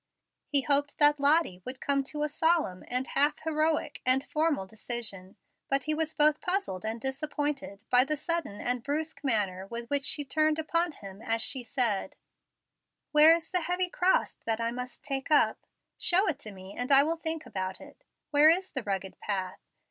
He hoped that Lottie would come to a solemn and half heroic and formal decision. But he was both puzzled and disappointed by the sudden and brusque manner with which she turned upon him as she said: "Where is the heavy cross that I must take up? Show it to me, and I will think about it. Where is the rugged path?